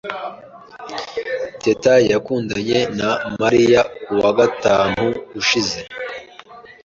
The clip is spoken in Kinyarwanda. Teta yakundanye na Mariya kuwa gatanu ushize.